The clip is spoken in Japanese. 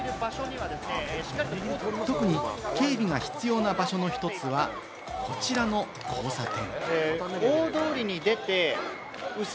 特に警備が必要な場所の一つは、こちらの交差点。